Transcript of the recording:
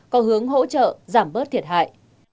có hướng hỗ trợ giảm bớt thiệt hại